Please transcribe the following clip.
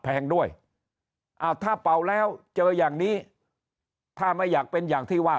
แพงด้วยอ่าถ้าเป่าแล้วเจออย่างนี้ถ้าไม่อยากเป็นอย่างที่ว่า